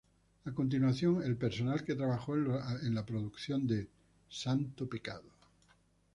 A continuación el personal que trabajó en la producción de "Santo pecado".